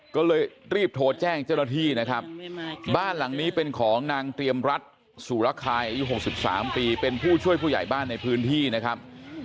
ก็เลยรีบโทรแจ้งเจ้าหน้าที่นะครับบ้านหลังนี้เป็นของนางเตรียมรัฐสุรคายอายุ๖๓ปีเป็นผู้ช่วยผู้ใหญ่บ้านในพื้นที่นะครับ